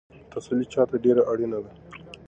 تسلي چا ته ډېره اړینه ده؟